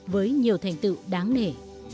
với nhiều thành tựu đáng nể